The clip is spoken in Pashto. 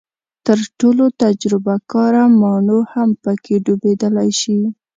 تر ټولو تجربه کاره ماڼو هم پکې ډوبېدلی شي.